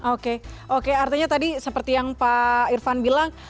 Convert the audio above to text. oke oke artinya tadi seperti yang pak irfan bilang